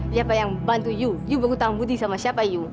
siapa yang bantu yuk yuk berhutang budi sama siapa yuk